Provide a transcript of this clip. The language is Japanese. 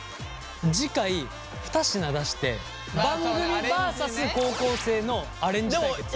次回２品出して番組バーサス高校生のアレンジ対決。